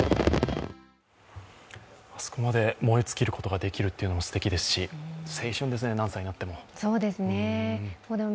あそこまで燃え尽きることができるのはすてきですし青春ですね、何歳になっても。